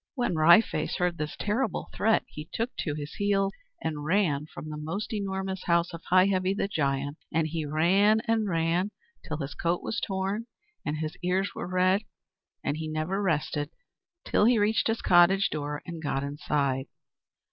When Wry Face heard this terrible threat, he took to his heels, and ran from the Most Enormous House of Heigh Heavy the Giant. And he ran, and ran, till his coat was torn and his ears were red. And he never rested till he reached his cottage door, and got inside.